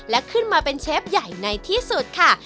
และขึ้นมาเป็นเชฟใหญ่ในที่สุดค่ะ